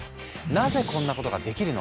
なぜこんなことができるのか？